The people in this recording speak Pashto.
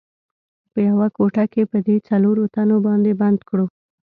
په یوه کوټه کې په دې څلورو تنو باندې بند کړو.